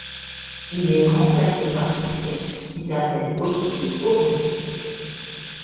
Il est remplacé par son fils qui s'appelle aussi Hori.